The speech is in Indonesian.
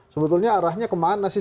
sebetulnya arahnya kemana sih